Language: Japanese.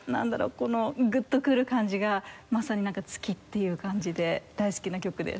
このグッとくる感じがまさに月っていう感じで大好きな曲です。